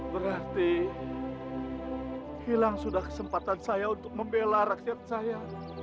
berarti hilang sudah kesempatan saya untuk membela rakyat saya